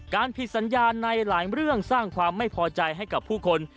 ผิดสัญญาในหลายเรื่องสร้างความไม่พอใจให้กับผู้คน